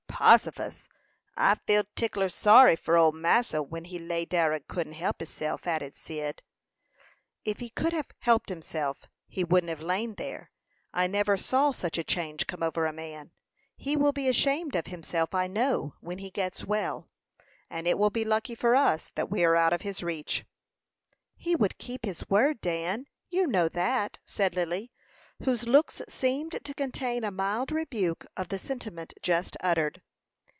"Possifus! I feel 'tickler sorry for ole massa, when he lay dar and couldn't help hisself," added Cyd. "If he could have helped himself, he wouldn't have lain there. I never saw such a change come over a man. He will be ashamed of himself, I know, when he gets well, and it will be lucky for us that we are out of his reach." "He would keep his word, Dan; you know that," said Lily, whose looks seemed to contain a mild rebuke of the sentiment just uttered.